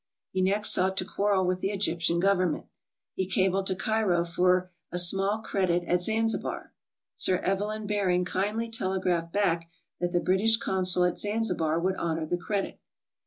He next sought to quarrel with the Egyptian Government. He cabled to Cairo for a small credit at Zanzibar. Sir Evelyn Baring kindly tele graphed back that the British Consul at Zanzibar would honor the credit.